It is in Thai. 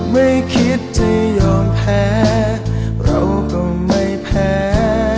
ไม่คิดจะยอมแพ้เราก็ไม่แพ้